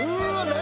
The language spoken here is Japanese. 何？